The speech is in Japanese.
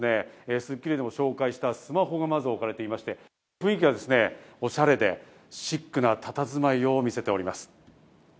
『スッキリ』でも紹介したスマホがまず置かれていまして、雰囲気はおしゃれでシックなたたずまいを見せております。